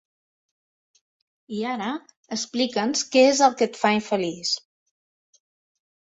I ara, explica'ns què és el que et fa infeliç.